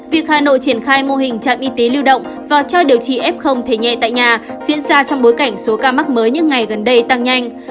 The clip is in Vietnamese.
việc hà nội triển khai mô hình trạm y tế lưu động và cho điều trị f thể nhẹ tại nhà diễn ra trong bối cảnh số ca mắc mới những ngày gần đây tăng nhanh